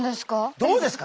どうですか？